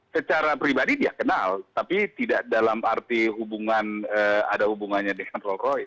secara pribadi dia kenal tapi tidak dalam arti hubungan ada hubungannya dengan rolls royce